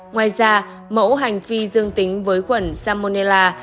ngoài ra mẫu hành vi dương tính với khuẩn salmonella